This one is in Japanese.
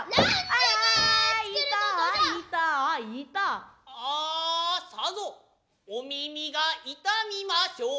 アアさぞ御耳が痛みましょう。